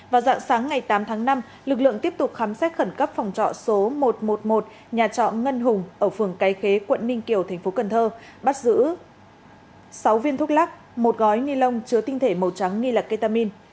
vào dạng sáng ngày tám tháng năm lực lượng tiếp tục khám xét khẩn cấp phòng trọ số một trăm một mươi một nhà trọ ngân hùng ở phường cái khế quận ninh kiều thành phố cần thơ bắt giữ sáu viên thuốc lắc một gói ni lông chứa tinh thể màu trắng nghi là ketamin